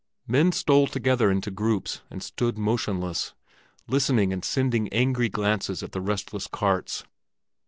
Men stole together into groups and stood motionless, listening and sending angry glances at the restless carts.